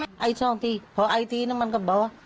พอไอไปสองครั้งเนี่ยมันก็บอก